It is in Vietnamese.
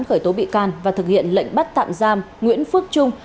khởi tố bị can và thực hiện lệnh bắt tạm giam nguyễn phước trung